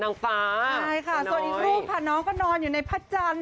นางฟ้าใช่ค่ะส่วนอีกรูปค่ะน้องก็นอนอยู่ในพระจันทร์